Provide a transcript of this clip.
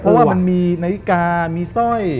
เพราะว่ามันมีนาฬิกามีสร้อย